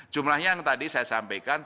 jumlahnya yang tadi saya sampaikan